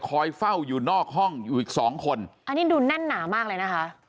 เฝ้าอยู่นอกห้องอยู่อีกสองคนอันนี้ดูแน่นหนามากเลยนะคะ